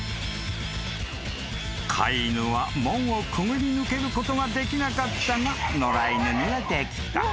［飼い犬は門をくぐり抜けることができなかったが野良犬にはできた］